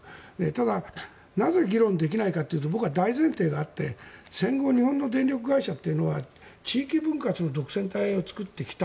ただなぜ議論できないかというと僕は大前提があって戦後、日本の電力会社というのは地域分割の独占体を作ってきた。